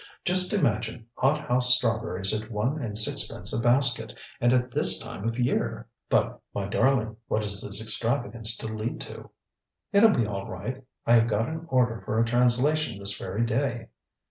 Just imagine, hothouse strawberries at one and sixpence a basket! And at this time of the year! ŌĆØ ŌĆ£But, my darling, what is this extravagance to lead to? ŌĆØ ŌĆ£ItŌĆÖll be all right. I have got an order for a translation this very day.